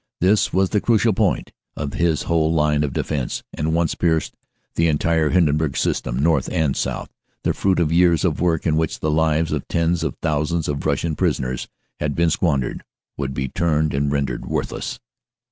This was the crucial point of his whole line of defense, and once pierced, the entire Hin denburg System, north and south, the fruit of years of work in which the lives of tens of thousands of Russian prisoners had been squandered, would be turned and rendered worthless.